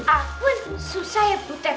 aku susah ya puter